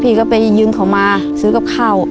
พี่ก็ไปยืมเขามาซื้อกับข้าว